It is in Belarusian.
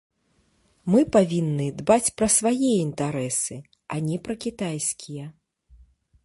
Мы павінны дбаць пра свае інтарэсы, а не пра кітайскія.